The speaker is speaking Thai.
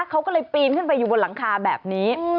เขาก็เลยปีนขึ้นไปอยู่บนหลังคาแบบนี้